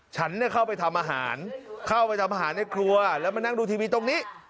ฉันเข้าไปทำอาหารเข้าไปทำอาหารในครัวแล้วมานั่งดูทีวีตรงนี้